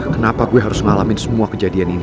kenapa gue harus ngalamin semua kejadian ini